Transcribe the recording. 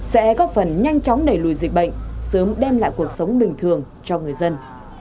sẽ góp phần nhanh chóng đẩy lùi dịch bệnh sớm đem lại cuộc sống bình thường cho người dân